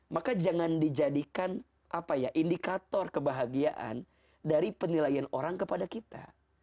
maka jangan dijadikan indikator kebahagiaan dari penilaian orang kepada kita